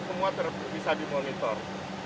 semua bisa dimonitor